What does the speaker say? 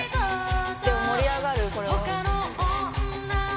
でも盛り上がるこれは。